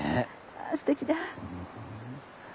あすてきだ。